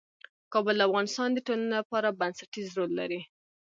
کابل د افغانستان د ټولنې لپاره بنسټيز رول لري.